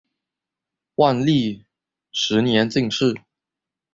万历十年进士。